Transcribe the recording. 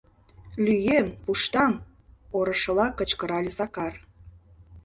Лӱем, пуштам! — орышыла кычкырале Сакар.